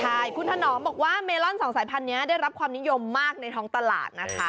ใช่คุณถนอมบอกว่าเมลอนสองสายพันธุ์นี้ได้รับความนิยมมากในท้องตลาดนะคะ